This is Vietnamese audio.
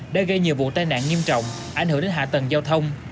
đã gây nhiều vụ tai nạn nghiêm trọng ảnh hưởng đến hạ tầng giao thông